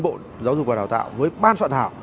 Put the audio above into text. bộ giáo dục và đào tạo với ban soạn thảo